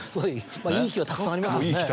いい木はたくさんありますもんね。